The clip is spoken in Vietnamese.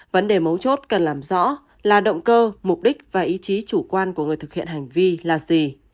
vấn đề mấu chốt cần làm rõ là động cơ mục đích và ý chí chủ quan của người thực hiện hành vi là gì